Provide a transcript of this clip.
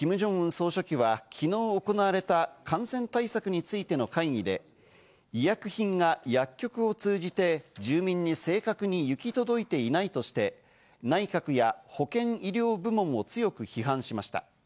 総書記は昨日行われた感染対策についての会議で、医薬品が薬局を通じて住民に正確に行き届いていないとして、内閣や保健医療部門を強く批判しました。